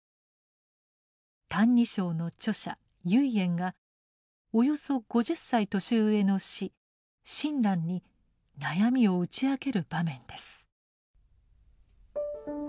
「歎異抄」の著者唯円がおよそ５０歳年上の師・親鸞に悩みを打ち明ける場面です。